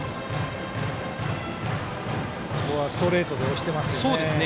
ここは、ストレートで押していますね。